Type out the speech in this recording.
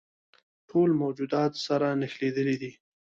ټول موجودات سره نښلیدلي دي.